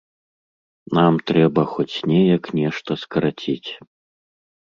Нам трэба хоць неяк нешта скараціць.